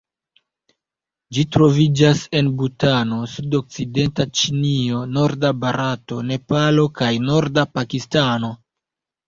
Ĝi troviĝas en Butano, sudokcidenta Ĉinio, norda Barato, Nepalo kaj norda Pakistano.